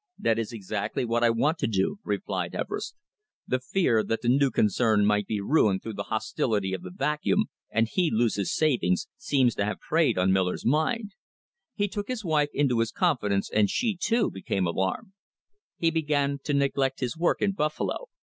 "That is exactly what I want to do," replied Everest. The fear that the new concern might be ruined through the hostility of the Vacuum, and he lose his savings, seems to have preyed on Miller's mind. He took his wife into his confidence, and she, too, became alarmed. He began to neglect his work in Buffalo.